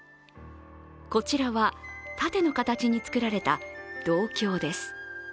こちらは盾の形に作られた銅鏡です。